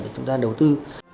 để chúng ta đầu tư